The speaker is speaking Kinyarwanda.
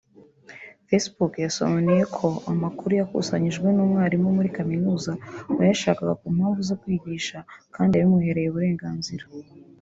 Facebook yasobanuye ko amakuru yakusanyijwe n’umwarimu muri Kaminuza wayashakaga ku mpamvu zo kwigisha kandi yabimuhereye uburenganzira